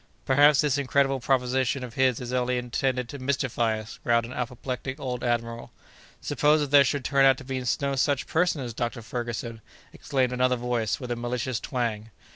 "Perhaps this incredible proposition of his is only intended to mystify us," growled an apoplectic old admiral. "Suppose that there should turn out to be no such person as Dr. Ferguson?" exclaimed another voice, with a malicious twang.